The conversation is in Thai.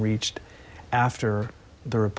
เราชอบความคิดละครับ